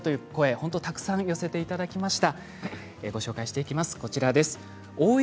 本当にたくさん寄せてもらいました。